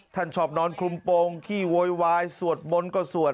ท่านชอบนอนคลุมโปงขี้โวยวายสวดบ้นก็สวด